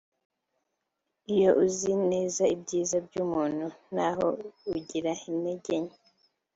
iyo uzi neza ibyiza by umuntu n aho agira intege nke